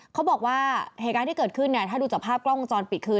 เขาบอกว่าเหตุการณ์ที่เกิดขึ้นเนี่ยถ้าดูจากภาพกล้องวงจรปิดคือ